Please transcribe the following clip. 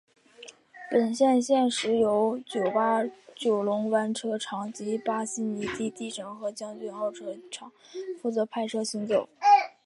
本线现时由九巴九龙湾车厂及新巴坚尼地城和将军澳车厂负责派车行走。